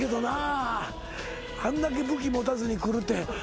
あんだけ武器持たずに来るって。